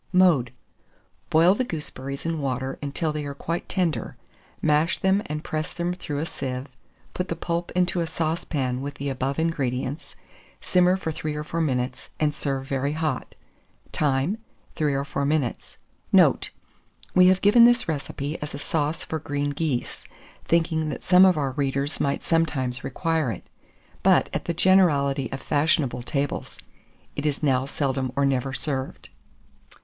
Mode. Boil the gooseberries in water until they are quite tender; mash them and press them through a sieve; put the pulp into a saucepan with the above ingredients; simmer for 3 or 4 minutes, and serve very hot. Time. 3 or 4 minutes. Note. We have given this recipe as a sauce for green geese, thinking that some of our readers might sometimes require it; but, at the generality of fashionable tables, it is now seldom or never served.